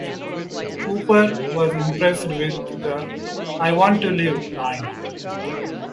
Cooper was impressed with the "I want to live" line.